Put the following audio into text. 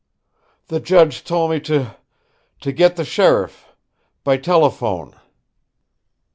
"The judge told me to to get the sheriff by telephone."